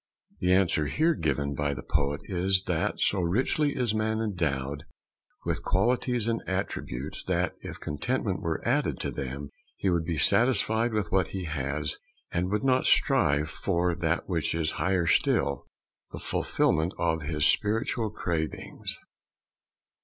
The answer here given by the poet is that so richly is man endowed with qualities and attributes that if contentment were added to them, he would be satisfied with what he has, and would not strive for that which is higher still the fulfilment of his spiritual cravings.